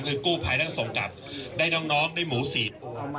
คือกู้ภัยแล้วก็ส่งกลับได้น้องได้หมูสับ